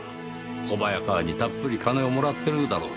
小早川にたっぷり金をもらっているだろうしな。